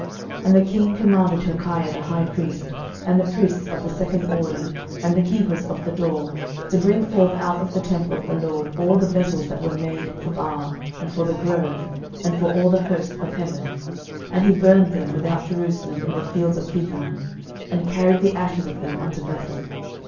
12:023:004 And the king commanded Hilkiah the high priest, and the priests of the second order, and the keepers of the door, to bring forth out of the temple of the LORD all the vessels that were made for Baal, and for the grove, and for all the host of heaven: and he burned them without Jerusalem in the fields of Kidron, and carried the ashes of them unto Bethel.